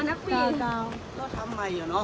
สวัสดีครับ